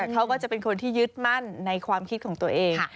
เขาก็จะเป็นคนที่ยึดมั่นในความคิดของตัวเอง